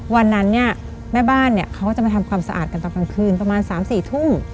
วันนั้นเนี่ยแม่บ้านเนี่ยเขาก็จะมาทำความสะอาดกันตอนกลางคืนประมาณ๓๔ทุ่ม